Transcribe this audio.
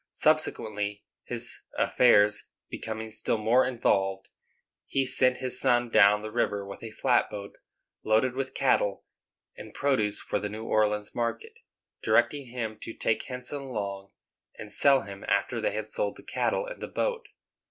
Subsequently, his affairs becoming still more involved, he sent his son down the river with a flat boat loaded with cattle and produce for the New Orleans market, directing him to take Henson along, and sell him after they had sold the cattle and the boat.